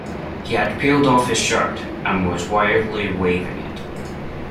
He had peeled off his shirt and was wildly waving it.